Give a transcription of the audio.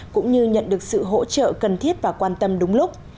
cũng như nhận được sự hỗ trợ cần thiết và quan tâm đúng lúc